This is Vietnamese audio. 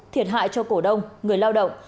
thiệt hại cho cổ đông người lao động